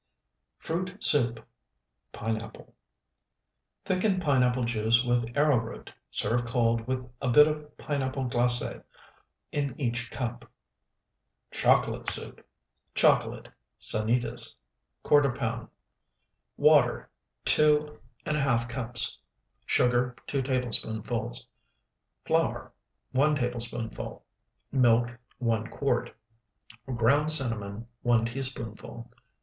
FRUIT SOUP (PINEAPPLE) Thicken pineapple juice with arrowroot. Serve cold with a bit of pineapple glace in each cup. CHOCOLATE SOUP Chocolate (Sanitas), ¼ pound. Water, 2½ cups. Sugar, 2 tablespoonfuls. Flour, 1 tablespoonful. Milk, 1 quart. Ground cinnamon, 1 teaspoonful.